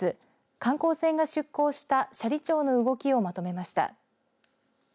観光船が出航した斜里町の動きをまとめました。